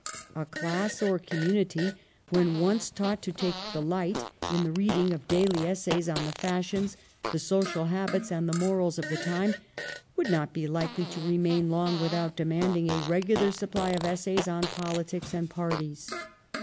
A class or community when once taught to take delight in the reading of daily essays on the fashions, the social habits, and the morals of the time would not be likely to remain long without demanding a regular supply of essays on politics and parties.